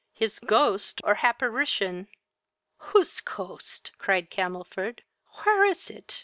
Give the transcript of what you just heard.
his ghost, or happorition!" "Whose cost? (cried Camelford;) where is it?